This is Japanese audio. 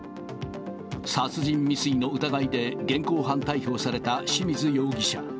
殺人未遂の疑いで現行犯逮捕された清水容疑者。